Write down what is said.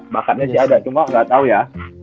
bakatnya sih ada cuma gak tau ya